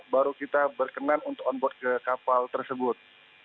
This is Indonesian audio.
baru kita berkenan untuk on board ke kapal tersebut